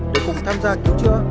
để cùng tham gia cứu chữa